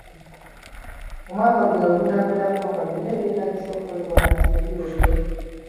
Omwaka guno wegunaggwerako nga byonna ebyetaagisa okukolebwa ku Masiro biwedde.